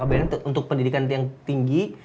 apalagi untuk pendidikan yang tinggi